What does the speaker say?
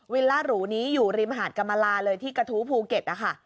ล่าหรูนี้อยู่ริมหาดกรรมลาเลยที่กระทู้ภูเก็ตนะคะ